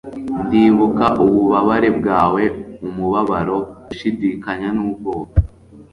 ndibuka ububabare bwawe, umubabaro, gushidikanya n'ubwoba